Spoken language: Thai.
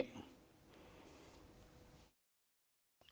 เดี๋ยวตอนนี้